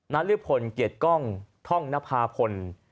ณรึกพลเกลียดกล้องท่องนภาพร